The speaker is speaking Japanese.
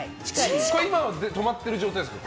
今は止まってる状態ですか。